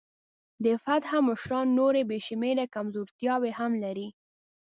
د فتح مشران نورې بې شمېره کمزورتیاوې هم لري.